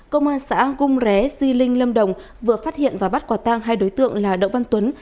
công an xã cung ré di linh lâm đồng vừa phát hiện và bắt quả tang hai đối tượng là đậu văn tuấn